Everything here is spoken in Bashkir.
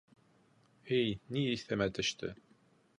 — Әй, ни, иҫемә төштө!